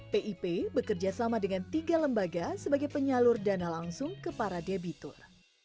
pip bekerja sama dengan tiga lembaga sebagai penyalur dana langsung ke para debitur